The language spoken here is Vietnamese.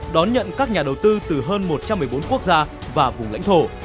đón nhận các nhà đầu tư từ hơn một trăm một mươi bốn quốc gia và vùng lãnh thổ